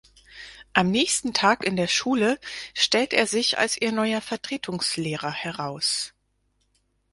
Am nächsten Tag in der Schule stellt er sich als ihr neuer Vertretungslehrer heraus.